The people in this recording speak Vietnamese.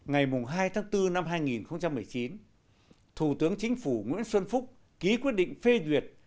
ngày hai tháng bốn năm hai nghìn một mươi chín thủ tướng chính phủ nguyễn xuân phúc ký quyết định phê duyệt